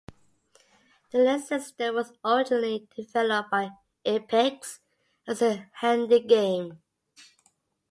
The Lynx system was originally developed by Epyx as the Handy Game.